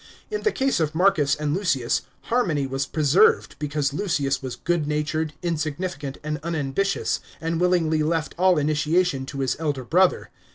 In the case of Marcus and Lucius, harmony was preserved, because Lucius was goodnatured, insignificant and unambitious, and willingly left all initiation to his elder brother.